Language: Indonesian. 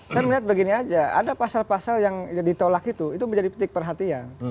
saya melihat begini aja ada pasal pasal yang ditolak itu itu menjadi petik perhatian